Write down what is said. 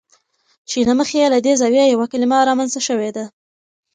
چې له مخې یې له دې زاویې یوه کلمه رامنځته شوې ده.